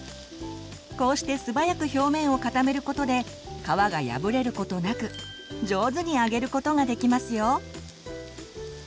こうして素早く表面を固めることで皮が破れることなく上手に揚げることができますよ。